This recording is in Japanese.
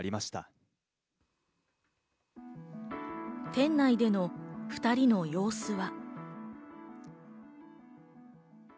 店内での２人の様子は。